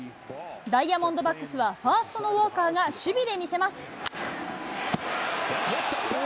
ダイヤモンドバックスはファーストのウォーカーが守備で見せます。